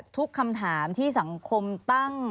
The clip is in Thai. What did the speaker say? ทุกคำถามที่สังคมตั้ง